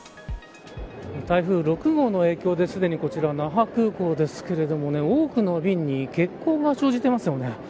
台風６号の影響ですでにこちら、那覇空港ですけど多くの便に欠航が生じていますね。